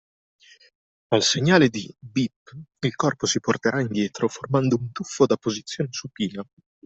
Al segnale di “Beep” il corpo si porterà indietro formando un tuffo da posizione supina.